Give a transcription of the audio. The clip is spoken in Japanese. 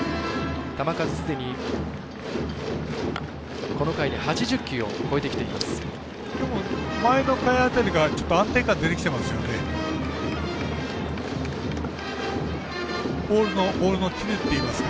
球数すでにこの回で８０球を超えてきています。